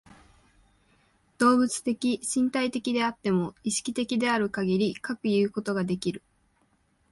動物的身体的であっても、意識的であるかぎりかくいうことができる。